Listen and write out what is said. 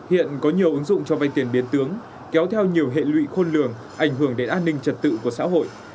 hiện có nhiều ứng dụng cho vai tiền biến tướng kéo theo nhiều hệ lụy khôn lường ảnh hưởng đến an ninh trật tự của xã hội